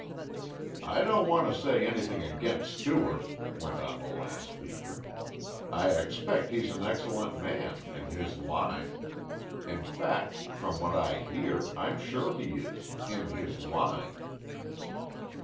"I don't want to say anything against Stewart," went on the last speaker. "I expect he's an excellent man, in his line. In fact, from what I hear, I'm sure he is in his line."